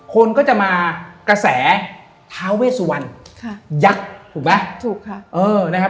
คนก็จะมากระแสทาเวสวันยักษ์ถูกไหม